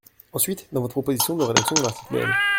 Ensuite, dans votre proposition de rédaction de l’article L.